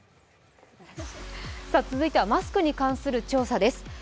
続いては、マスクに関する調査です。